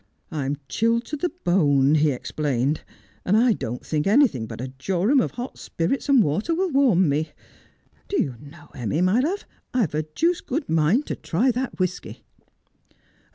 ' I'm chilled to the bone,' he explained, ' and I don't think anything but a jorum of hot spirits and water will warm me. Do you know, Emmie, my love, I've a deuced good mind to try that whisky.'